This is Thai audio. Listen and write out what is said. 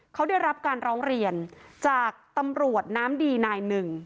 เขาได้รับการร้องเรียนจากตำรวจน้ำดีนายหนึ่ง